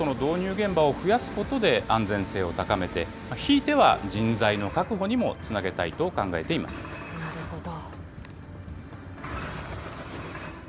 現場を増やすことで、安全性を高めて、ひいては人材の確保にもつなげたいと考えていまなるほど。